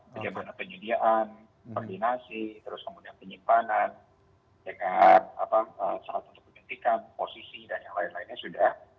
sejauh penyediaan koordinasi terus kemudian penyimpanan dengan sangat penting penyentikan posisi dan yang lain lainnya sudah